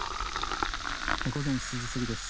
午前７時過ぎです。